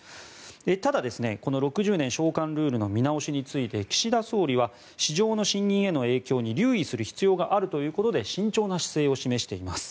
ただ、この６０年償還ルールの見直しについて岸田総理は市場の信認への影響に留意する必要があるということで慎重な姿勢を示しています。